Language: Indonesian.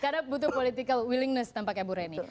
karena butuh political willingness tampaknya bu reni